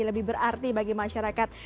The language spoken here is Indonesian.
lebih berarti bagi masyarakat